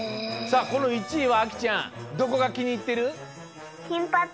さあこの１位はあきちゃんどこがきにいってる？